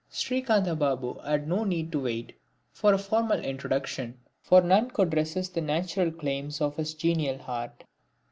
Srikantha Babu had no need to wait for a formal introduction, for none could resist the natural claims of his genial heart.